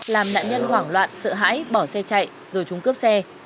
làm nạn nhân hoảng loạn sợ hãi bỏ xe chạy rồi trúng cướp xe